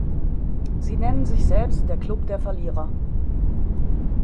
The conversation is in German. Sie nennen sich selbst "Der Klub der Verlierer.